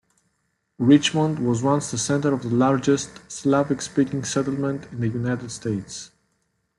Richmond was once the center of the largest Slavic-speaking settlement in the United States.